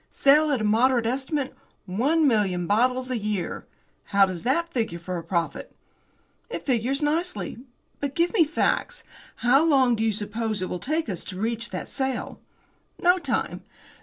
Sale, at a moderate estimate, one million bottles a year. How does that figure for a profit?" "It figures nicely. But give me facts. How long do you suppose it will take us to reach that sale?" "No time.